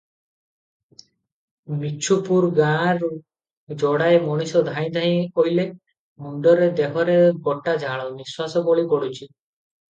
ମିଛୁପୁର ଗାଁରୁ ଯୋଡ଼ାଏ ମଣିଷ ଧାଇଁ ଧାଇଁ ଅଇଲେ, ମୁଣ୍ଡରେ ଦେହରେ ଗୋଟାଝାଳ, ନିଶ୍ୱାସ ବଳି ପଡ଼ୁଛି ।